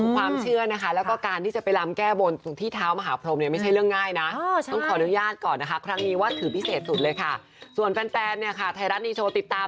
คืนนี้นะคะสามทุกประบาทไทยรัฐนิวโชว์